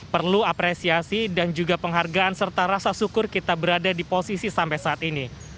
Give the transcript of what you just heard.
perlu apresiasi dan juga penghargaan serta rasa syukur kita berada di posisi sampai saat ini